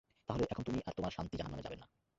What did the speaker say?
তাহলে এখন তুমি আর তোমার শান্তি জাহান্নামে যাবেন না।